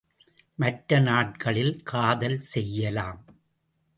மற்ற நாட்களில் காதல் செய்யலாம்.